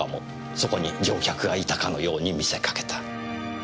そこに乗客がいたかのように見せかけた。